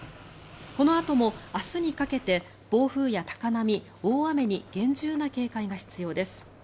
このあとも明日にかけて暴風や高波、大雨に厳重な警戒が必要です。